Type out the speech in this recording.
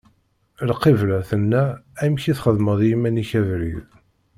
Lqibla tenna: Amek i d-txedmeḍ i yiman-ik abrid!